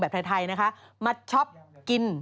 แบบไทยนะคะมาชอบกิน